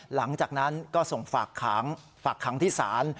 หลังจากนั้นก็ส่งฝากขังฝากขังที่ศาล